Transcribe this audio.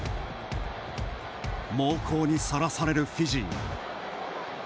猛攻にさらされるフィジー。